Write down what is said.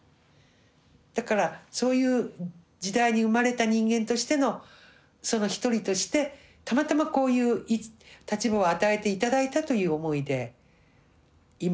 だからそういう時代に生まれた人間としてのその一人としてたまたまこういう立場を与えて頂いたという思いで今はおります。